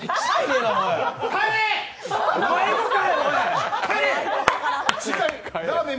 お前もか！